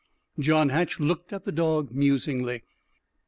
John Hatch looked at the dog musingly.